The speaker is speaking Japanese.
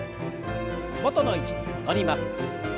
元の位置に戻ります。